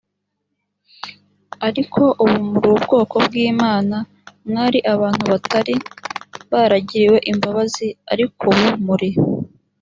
ariko ubu muri ubwoko bw imana j mwari abantu batari baragiriwe imbabazi ariko ubu muri